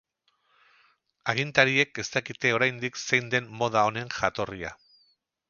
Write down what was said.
Agintariek ez dakite oraindik zein den moda honen jatorria.